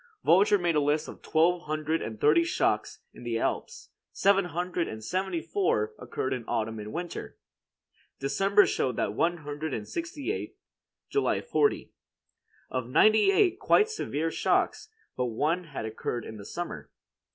Volger made a list of twelve hundred and thirty shocks in the Alps; seven hundred and seventy four occurred in autumn and winter. December showed one hundred and sixty eight; July forty. Of ninety eight quite severe shocks, but one had occurred in the summer.